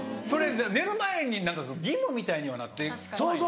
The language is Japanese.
寝る前に義務みたいにはなってこないんですか？